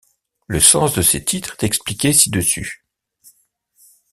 Le sens de ces titres est expliqué ci-dessus.